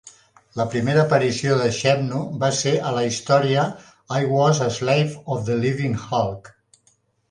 La primera aparició de Xemnu va ser a la història I was a Slave of the Living Hulk!